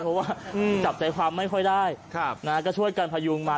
เพราะว่าจับใจความไม่ค่อยได้ก็ช่วยกันพยุงมา